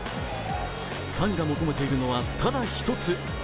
ファンが求めているのはただ一つ。